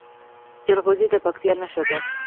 جلغوزه د پکتیا نښه ده.